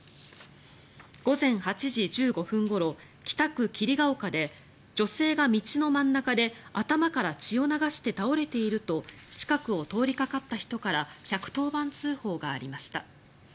午前８時１５分ごろ北区桐ケ丘で女性が道の真ん中で頭から血を流して倒れていると近くを通りかかった人から１１０番通報がありました。